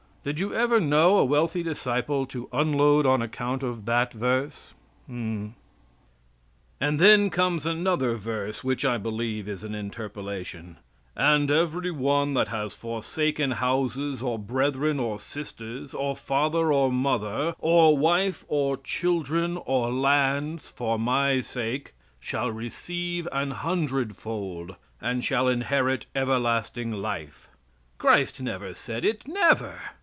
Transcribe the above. Did you ever know a wealthy disciple to unload on account of that verse? And then comes another verse, which I believe is an interpolation: "And every one that has forsaken houses, or brethren or sisters, or father or mother, or wife or children, or lands, for my name's sake, shall receive an hundredfold, and shall inherit everlasting life." Christ never said it. Never.